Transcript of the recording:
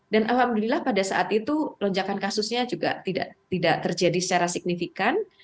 dan alhamdulillah pada saat itu lonjakan kasusnya juga tidak terjadi secara signifikan